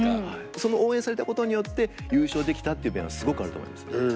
その応援されたことによって優勝できたっていう面はすごくあると思いますね。